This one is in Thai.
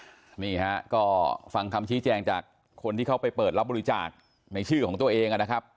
ว่าสเตรียมเงินชี้แจงเลยนะครับอ่าเงินยอดประมาณ๕๐๐๐๖๐๐๐บาทนี่แหละครับ